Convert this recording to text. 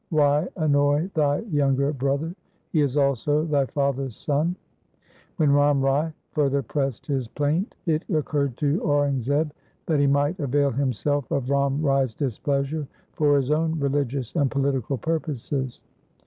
Why annoy thy younger brother ? He is also thy father's son.' When Ram Rai further pressed his plaint, it occurred to Aurang zeb that he might avail himself of Ram Rai's displeasure for his own religious and political pur poses.